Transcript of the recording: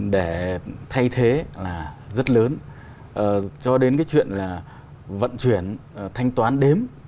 để thay thế là rất lớn cho đến cái chuyện là vận chuyển thanh toán đếm